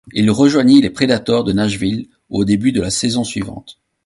Il rejoignit les Predators de Nashville au début de la saison suivante.